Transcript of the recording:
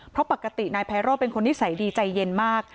เพราะปกตินายไพโรธเป็นคนนิสัยดีใจเย็นมาก